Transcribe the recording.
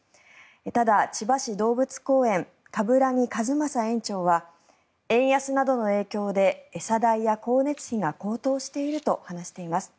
ただ、千葉市動物公園鏑木一誠園長は円安などの影響で餌代や光熱費が高騰していると話しています。